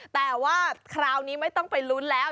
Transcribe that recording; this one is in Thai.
แต่ว่าคราวนี้ไม่ต้องไปลุ้นแล้ว